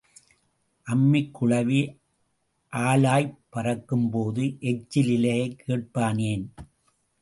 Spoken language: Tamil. அம்மிக்குழவி ஆலாய்ப் பறக்கும்போது எச்சில் இலையைக் கேட்பானேன்?